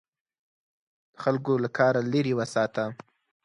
د خلکو له کاره لیرې وساته.